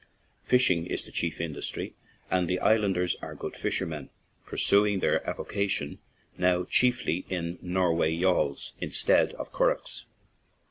Fishing is the chief industry, and the islanders are good fish ermen, pursuing their avocation now chiefly in Norway yawls instead of "curraghs."